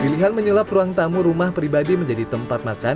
pilihan menyulap ruang tamu rumah pribadi menjadi tempat makan